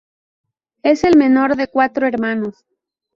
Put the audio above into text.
Él es el menor de cuatro hermanos.